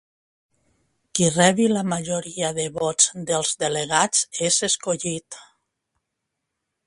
Qui rebi la majoria de vots dels delegats és escollit.